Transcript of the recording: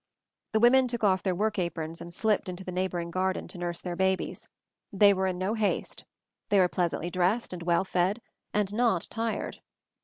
The women took off their work aprons and slipped into the neighboring garden to nurse their babies. They were in no haste. They were pleasantly dressed and well fed and not tired.